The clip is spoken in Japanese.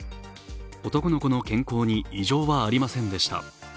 男の子の健康に異常はありませんでした。